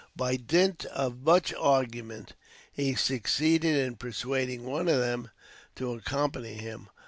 By dint of much argument, he succeeded in persuading one of them to accompany him.